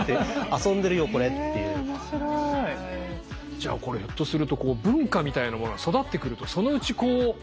じゃあこれひょっとするとこう文化みたいなものが育ってくるとそのうちこう。